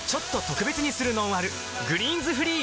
「グリーンズフリー」